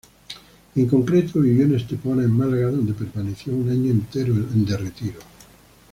En concreto vivió en Estepona en Málaga donde permaneció un año entero en retiro.